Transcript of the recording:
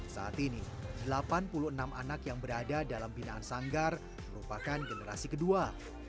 saat ini delapan puluh enam anak yang berada dalam binaan sanggar merupakan generasi kedua